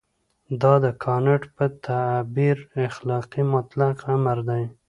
دا د کانټ په تعبیر اخلاقي مطلق امر دی.